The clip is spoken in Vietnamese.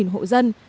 hai mươi hộ dân